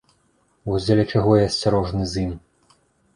Вось дзеля чаго я асцярожны з ім.